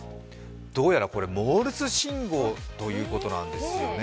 どうやらこれモールス信号ということなんですよね。